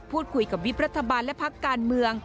พูดคุยกับวิบรัฐบาลและพักการเมือง